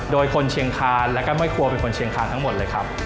โดยคนเชียงคานแล้วก็ห้วยครัวเป็นคนเชียงคานทั้งหมดเลยครับ